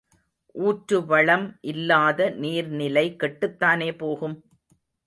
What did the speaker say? ஊற்றுவளம் இல்லாத நீர்நிலை கெட்டுத்தானே போகும்?